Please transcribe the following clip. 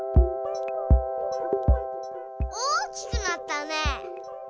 おおきくなったね！